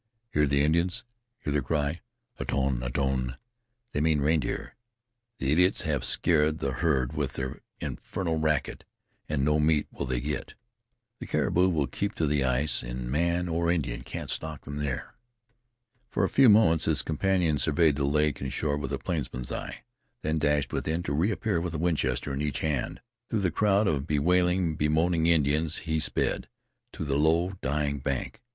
Hear the Indians! Hear their cry: "Aton! Aton!" they mean reindeer. The idiots have scared the herd with their infernal racket, an' no meat will they get. The caribou will keep to the ice, an' man or Indian can't stalk them there." For a few moments his companion surveyed the lake and shore with a plainsman's eye, then dashed within, to reappear with a Winchester in each hand. Through the crowd of bewailing, bemoaning Indians; he sped, to the low, dying bank.